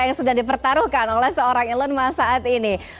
yang sedang dipertaruhkan oleh seorang elon musk saat ini